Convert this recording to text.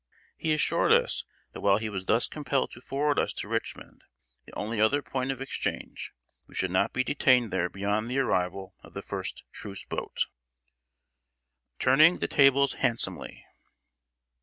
He assured us, that while he was thus compelled to forward us to Richmond, the only other point of exchange, we should not be detained there beyond the arrival of the first truce boat. [Sidenote: TURNING THE TABLES HANDSOMELY.